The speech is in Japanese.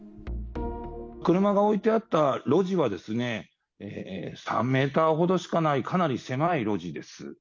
車が置いてあった路地は、３メーターほどしかない、かなり狭い路地です。